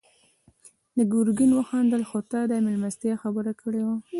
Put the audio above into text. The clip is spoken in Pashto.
ګرګين وخندل: خو تا د مېلمستيا خبره کړې وه.